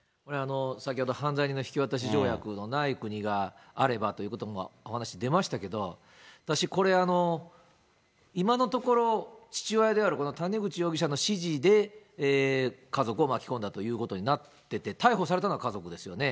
先ほど犯罪人の引き渡し条約のない国があればということもお話出ましたけど、私、これ、今のところ、父親である、この谷口容疑者の指示で家族を巻き込んだということになってて、逮捕されたのは家族ですよね。